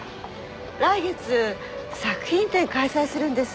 来月作品展開催するんです。